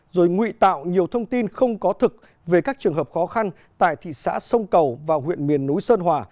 rồi nguy tạo nhiều thông tin không có thực về các trường hợp khó khăn tại thị xã sông cầu và huyện miền núi sơn hòa